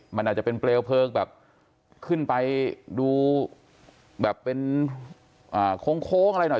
มันอาจจะเป็นเปลวเพลิงแบบขึ้นไปดูแบบเป็นโค้งอะไรหน่อย